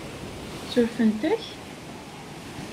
Surfent-ak?